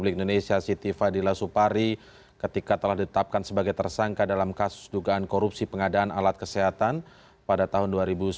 ketika telah ditetapkan sebagai tersangka dalam kasus dugaan korupsi pengadaan alat kesehatan pada tahun dua ribu sepuluh